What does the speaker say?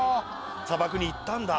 砂漠に行ったんだ。